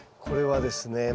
これはですね